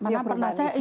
ya peruburan iklim